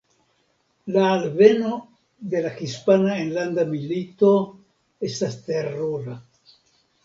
La alveno de la Hispana Enlanda Milito estas terura.